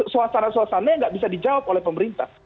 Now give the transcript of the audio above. suasana suasannya nggak bisa dijawab oleh pemerintah